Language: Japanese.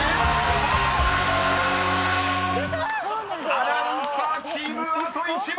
［アナウンサーチームあと１問！］